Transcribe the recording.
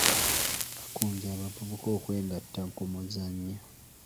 Bakunze abavubuka okwegatta ku muzannyo.